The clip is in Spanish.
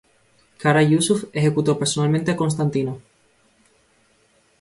Kara Yusuf ejecutó personalmente a Constantino.